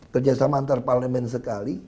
kerjasama antar parlement sekali